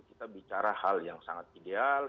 kita bicara hal yang sangat ideal